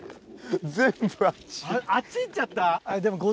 あっち行っちゃった？